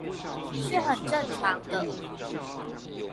是很正常的